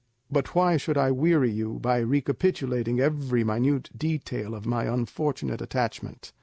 But why should I weary you by recapitulating every minute detail of my unfortunate attachment?